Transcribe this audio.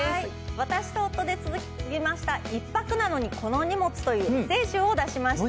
私とつづりました、一泊なのにこの荷物！というエッセー集を出しました。